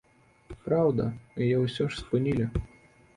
Праўда, яе ўсё ж спынілі.